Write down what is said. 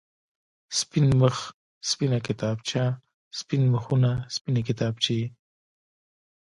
سپين مخ، سپينه کتابچه، سپين مخونه، سپينې کتابچې.